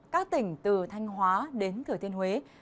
các tỉnh từ thanh hóa đến thử thiên huế